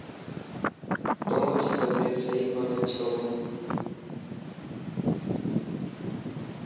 توجي طبيعت صحيح ڪوني ڇو؟